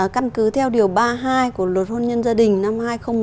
căn cứ theo điều ba mươi hai của luật hôn nhân gia đình năm hai nghìn một mươi